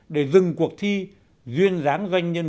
để dừng cuộc thi duyên ráng doanh nhân